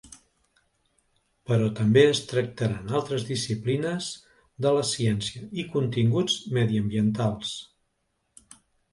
Però, també es tractaran altres disciplines de la ciència i continguts mediambientals.